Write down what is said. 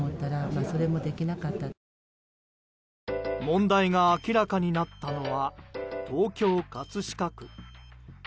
問題が明らかになったのは東京・葛飾区。